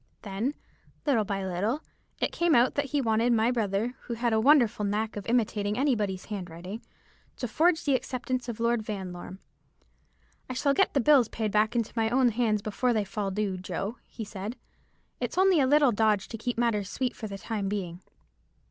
Then, little by little, it came out that he wanted my brother, who had a wonderful knack of imitating any body's handwriting, to forge the acceptance of Lord Vanlorme. 'I shall get the bills back into my own hands before they fall due, Joe,' he said; 'it's only a little dodge to keep matters sweet for the time being.'